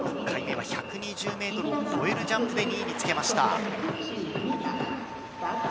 １回目は１２０ｍを越えるジャンプで２位につけました。